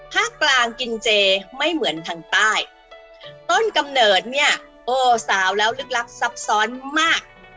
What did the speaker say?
ภาคกลางกินเจไม่เหมือนทางใต้ต้นกำเนิดเนี่ยโอ้สาวแล้วลึกลับซับซ้อนมาก